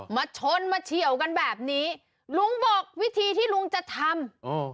มาชนมาเฉียวกันแบบนี้ลุงบอกวิธีที่ลุงจะทำเออ